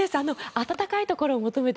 暖かいところを求めて